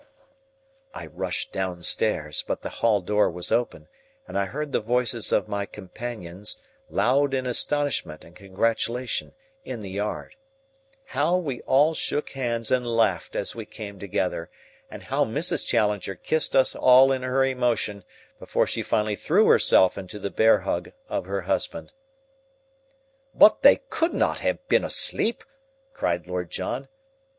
I rushed downstairs, but the hall door was open, and I heard the voices of my companions, loud in astonishment and congratulation, in the yard. How we all shook hands and laughed as we came together, and how Mrs. Challenger kissed us all in her emotion, before she finally threw herself into the bear hug of her husband. "But they could not have been asleep!" cried Lord John.